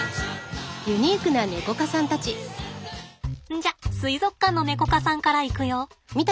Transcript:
じゃ水族館のネコ科さんからいくよ。